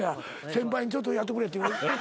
先輩にちょっとやってくれって。